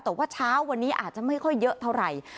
แต่ว่าเช้าวันนี้อาจจะไม่ค่อยเยอะเท่าไหร่